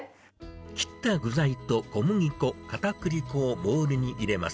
切った具材と小麦粉、かたくり粉をボウルに入れます。